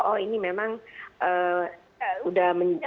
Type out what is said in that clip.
oh ini memang sudah